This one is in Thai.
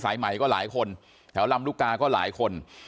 สายใหม่ก็หลายคนแถวลำลูกกาก็หลายคน